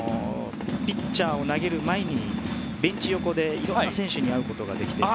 実は、投げる前にベンチ横でいろんな選手に会うことができて。